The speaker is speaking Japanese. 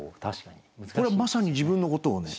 これはまさに自分のことをね。